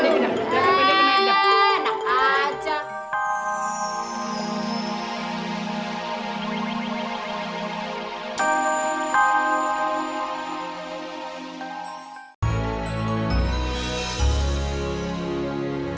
enggak enggak enggak enggak enggak enggak